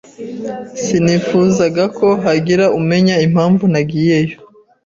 Sinifuzaga ko hagira umenya impamvu nagiyeyo.